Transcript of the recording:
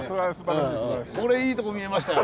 これいいとこ見えましたよ。